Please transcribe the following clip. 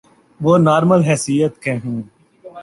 وہ نارمل حیثیت کے ہوں۔